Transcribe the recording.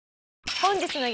本日の激